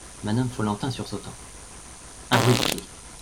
Madame Follentin, sursautant. — Un bruit de clef.